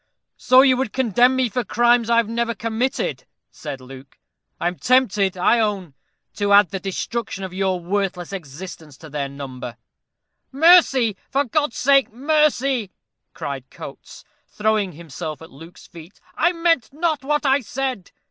"So you would condemn me for crimes I have never committed," said Luke. "I am tempted, I own, to add the destruction of your worthless existence to their number." "Mercy, for God's sake, mercy!" cried Coates, throwing himself at Luke's feet. "I meant not what I said."